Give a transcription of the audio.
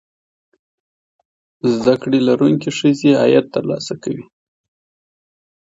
زده کړې لرونکې ښځې عاید ترلاسه کوي.